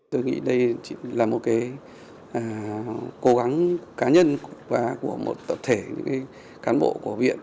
tôi nghĩ đây là một cái cố gắng cá nhân và của một tập thể những cán bộ của viện